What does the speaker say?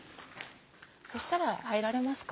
そしたら入られますか？